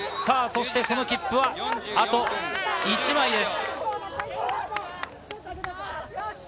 その切符はあと１枚です。